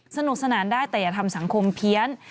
สนุกสนานได้แต่อย่าทำสังคมเพี้ยน